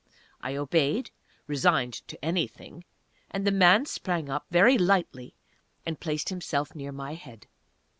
I obeyed, resigned to anything, and the man sprang up very lightly and placed himself near my head.